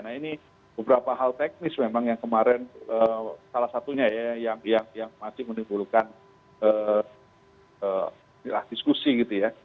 nah ini beberapa hal teknis memang yang kemarin salah satunya ya yang masih menimbulkan diskusi gitu ya